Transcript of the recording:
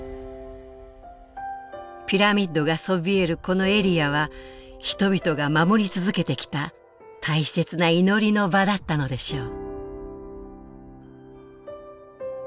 ピラミッドがそびえるこのエリアは人々が守り続けてきた大切な祈りの場だったのでしょう。